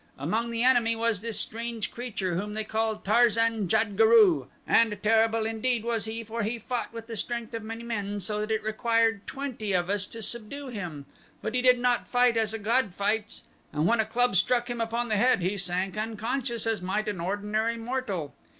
Among the enemy was this strange creature whom they called Tarzan jad guru; and terrible indeed was he for he fought with the strength of many men so that it required twenty of us to subdue him. But he did not fight as a god fights, and when a club struck him upon the head he sank unconscious as might an ordinary mortal.